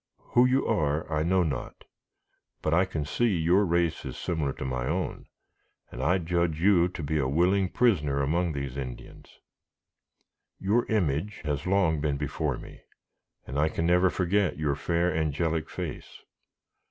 Who you are I know not, but I can see your race is similar to my own, and judge you to be a willing prisoner among these Indians. Your image has long been before me, and I can never forget your fair, angelic face.